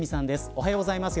おはようございます。